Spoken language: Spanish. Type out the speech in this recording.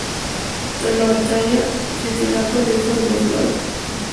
Tras la batalla, Cincinato le hizo renunciar a su consulado.